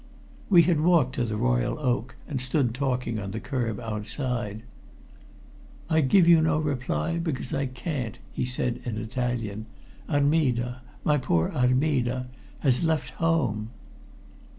We had walked to the Royal Oak, and stood talking on the curb outside. "I give you no reply, because I can't," he said in Italian. "Armida my poor Armida has left home."